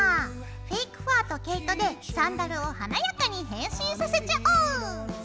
フェイクファーと毛糸でサンダルを華やかに変身させちゃおう！